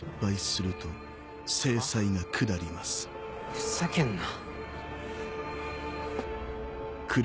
ふざけんな。